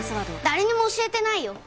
誰にも教えてないよ